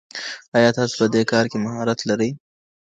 ایا تاسو په دې کار کي مهارت لرئ؟